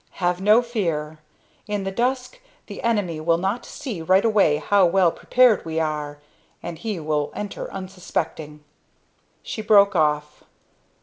Have no fear; in the dusk the enemy will not see right away how well prepared we are, and he will enter unsuspecting...." She broke off.